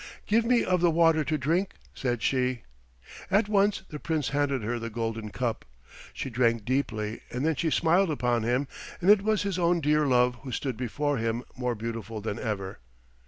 "Give me of the water to drink," said she. At once the Prince handed her the golden cup. She drank deeply, and then she smiled upon him, and it was his own dear love who stood before him more beautiful than ever.